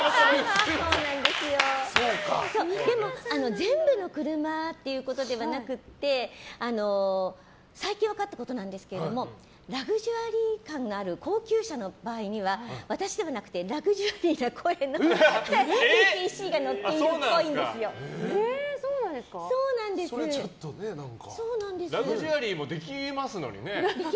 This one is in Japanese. でも全部の車っていうことではなくて最近分かったことなんですけどラグジュアリー感のある高級車の場合には私ではなくてラグジュアリーな声のＥＴＣがラグジュアリーもできますのにね。